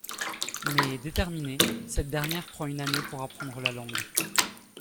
Mais déterminée, cette dernière prend une année pour apprendre la langue.